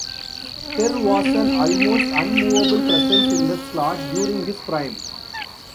Kerr was an almost unmovable presence in the slot during his prime.